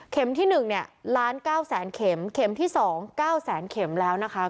เข็มที่๑เนี่ย๑๙๐๐๐๐๐เข็มเข็มที่๒๙๐๐๐๐๐เข็มแล้วนะคะ